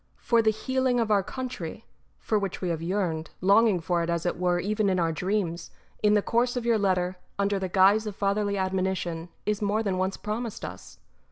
For the healing of our country, for which we have yearned, longing for it as it were even in our dreams, in the course of your letter, under the guise of fatherly admonition, is more than once promised us.